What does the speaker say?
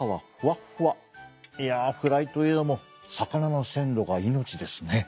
いやフライといえども魚の鮮度が命ですね！